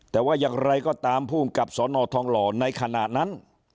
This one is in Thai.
แต่ว่าอย่างไรก็ตามภูมิกับสนทองหล่อในขณะนั้น